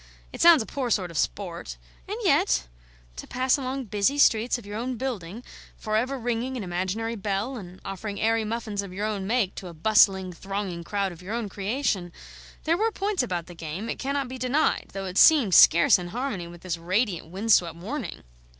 It sounds a poor sort of sport; and yet to pass along busy streets of your own building, for ever ringing an imaginary bell and offering airy muffins of your own make to a bustling thronging crowd of your own creation there were points about the game, it cannot be denied, though it seemed scarce in harmony with this radiant wind swept morning!